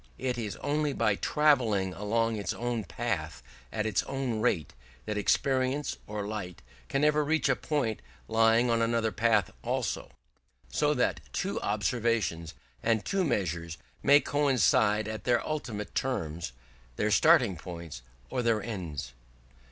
It is only by travelling along its own path at its own rate that experience or light can ever reach a point lying on another path also, so that two observations, and two measures, may coincide at their ultimate terms, their starting points or their ends.